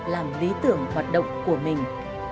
làm lý tưởng hoạt động của mình